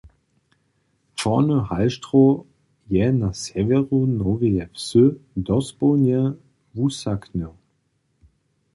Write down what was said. Čorny Halštrow je na sewjeru Noweje Wsy dospołnje wusaknył.